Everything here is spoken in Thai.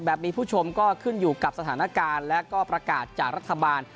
ผู้ชมก็ขึ้นอยู่กับสถานการณ์และก็ประกาศจากรัฐบาล